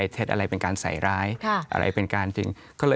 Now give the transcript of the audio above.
เท็จอะไรเป็นการใส่ร้ายอะไรเป็นการจริงก็เลย